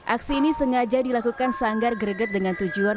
aksi ini sengaja dilakukan sanggar greget dengan tujuan